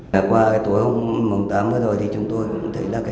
qua tối hôm tám vừa rồi thì chúng tôi thấy là hành vi của chúng tôi là hoàn toàn sai trái